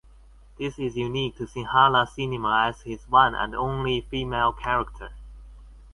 This is unique to Sinhala cinema as his one and only female character.